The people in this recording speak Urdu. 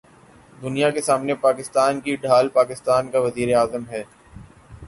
دنیا کے سامنے پاکستان کی ڈھال پاکستان کا وزیراعظم ہے۔